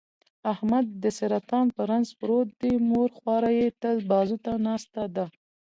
احمد د سرطان په رنځ پروت دی، مور خواره یې تل بازوته ناسته ده.